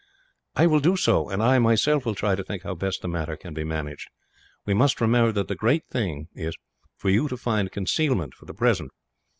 "I will do so; and I, myself, will try to think how best the matter can be managed. We must remember that the great thing is for you to find concealment, for the present.